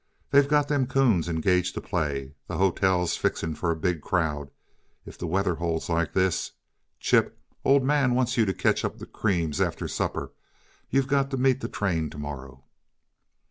They've got them coons engaged to play. The hotel's fixing for a big crowd, if the weather holds like this. Chip, Old Man wants you to catch up the creams, after supper; you've got to meet the train to morrow."